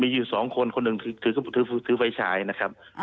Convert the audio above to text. มีอยู่สองคนคนหนึ่งถือถือถือไฟฉายนะครับอ่า